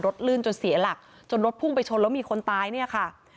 ลื่นจนเสียหลักจนรถพุ่งไปชนแล้วมีคนตายเนี่ยค่ะ